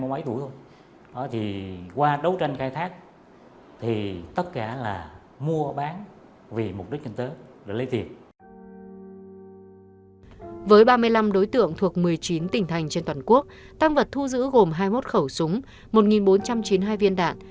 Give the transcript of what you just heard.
với ba mươi năm đối tượng thuộc một mươi chín tỉnh thành trên toàn quốc tăng vật thu giữ gồm hai mươi một khẩu súng một bốn trăm chín mươi hai viên đạn